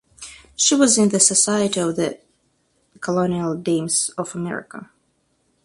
She was in the Society of the Colonial Dames of America.